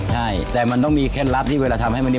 ใช่แต่มันต้องมีแค่ลักษณ์ที่เวลาทำให้มันนิ่ม